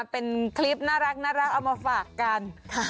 เป็นคลิปน่ารักเอามาฝากกัน